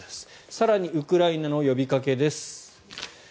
更にウクライナの呼びかけです。